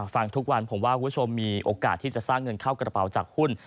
ฟังทุกวันผมว่าคุณผู้ชมมีโอกาสที่จะสร้างเงินเข้ากระเป๋าจากหุ้น